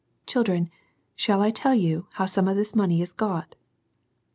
Children, shall I tell you how some of this money is got